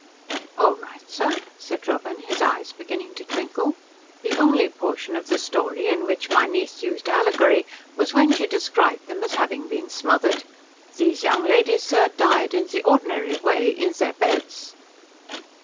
"All right sir," said Robin, his eyes beginning to twinkle. "The only portion of the story in which my niece used allegory was when she described them as having been smothered. These young ladies, sir, died in the ordinary way, in their beds."